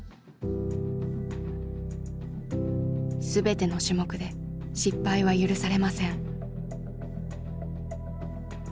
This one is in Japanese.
全ての種目で失敗は許されません。